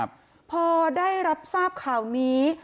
พอได้รับทราบข่าวนี้